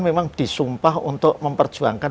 memang disumpah untuk memperjuangkan